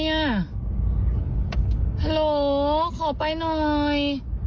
โหลขอไปหน่อย